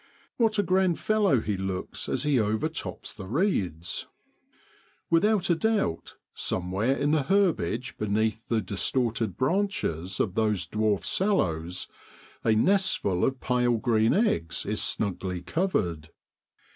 What a grand fellow he looks as he overtops the reeds ! Without a doubt, somewhere in the herbage beneath the distorted branches of those dwarfed sallows, a nestful of pale green eggs is snugly covered.